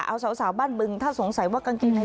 เอาสาวบ้านบึงถ้าสงสัยว่ากางเกงใน